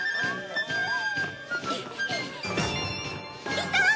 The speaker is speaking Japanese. いた！